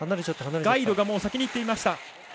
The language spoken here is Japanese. ガイドが先に行っていました。